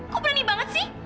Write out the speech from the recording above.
kok berani banget sih